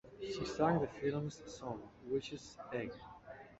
She sang the film's song, "Witch's Egg".